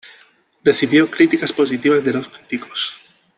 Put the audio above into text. Recibió críticas positivas de los críticos.